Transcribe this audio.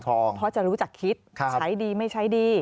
เพราะจะรู้จักคิดใช้ดีไม่ใช้ดี